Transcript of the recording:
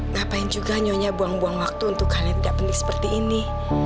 ngapain juga nyonya buang buang waktu untuk kalian tidak penting seperti ini